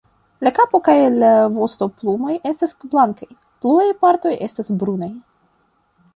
La kapo kaj la vostoplumoj estas blankaj, pluaj partoj estas brunaj.